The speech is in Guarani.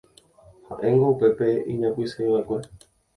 ha'éngo upépe iñapysẽva'ekue